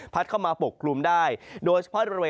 ผลัดเข้ามาปกกลุ่มได้โดยเฉพาะบริเวณฝั่งตะวันตก